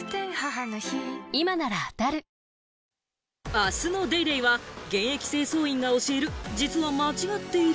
明日の『ＤａｙＤａｙ．』は現役清掃員が教える、実は間違っている？